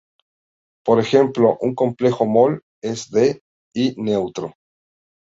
Por ejemplo, un complejo MoL es d y neutro.